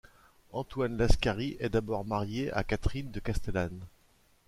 Antoine Lascaris est d'abord marié à Catherine de Castellane.